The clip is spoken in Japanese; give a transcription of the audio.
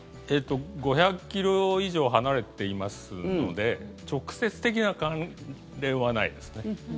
５００ｋｍ以上離れていますので直接的な関連はないですね。